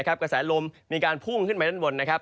กระแสลมมีการพุ่งขึ้นไปด้านบนนะครับ